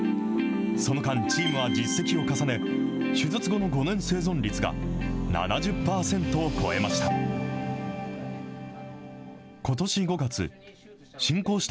その間、チームは実績を重ね、手術後の５年生存率が７０％を超えました。